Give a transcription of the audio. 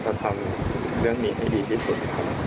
ทำเรื่องนี้ให้ดีที่สุดนะครับ